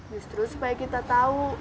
justru supaya kita tahu